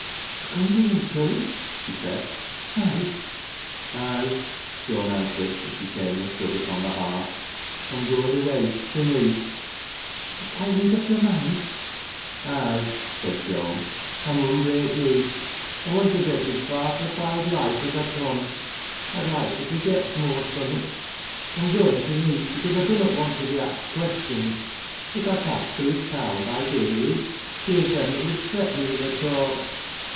" You arc going away, Joan ?" she said. " To night ?" "Ay," Joan answered, as she came and stood upon the lu; arth. " I'm goin' away to neet '" You have quite made up your mind ?"" Ay," said Joan. " I mun break loose. I want tO get 03 far fro' th' owd life as I con. I'd loike to forget th' most on it. I'm goin' to neet, because I dunnot want to be axed questions. If I passed thro' th' town by day leet, theer's them as ud fret me wi' tlieir talk."